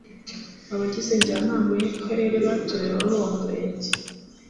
abagize Njyanama y'akarere batorewe muri uwo murenge